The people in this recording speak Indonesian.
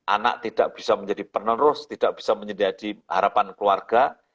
anak tidak bisa menjadi penerus tidak bisa menjadi harapan keluarga